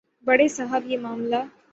بڑے صاحب یہ معاملہ